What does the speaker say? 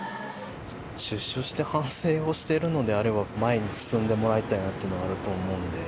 出所して反省をしてるのであれば前に進んでもらいたいなっていうのはあると思うんで。